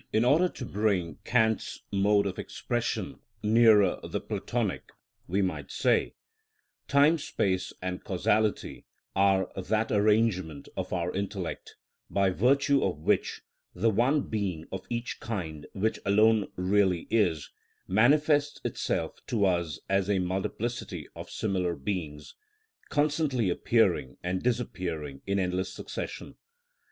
In order to bring Kant's mode of expression nearer the Platonic, we might say: Time, space, and causality are that arrangement of our intellect by virtue of which the one being of each kind which alone really is, manifests itself to us as a multiplicity of similar beings, constantly appearing and disappearing in endless succession.